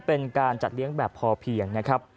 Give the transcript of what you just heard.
เป็นการจัดเลี้ยงแบบพอเพียงนะครับ